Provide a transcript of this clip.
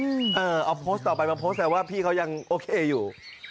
เอาโพสต์ต่อไปมาโพสต์แล้วว่าพี่เขายังโอเคอยู่